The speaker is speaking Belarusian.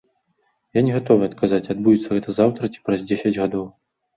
Я не гатовы адказаць, адбудзецца гэта заўтра ці праз дзесяць гадоў.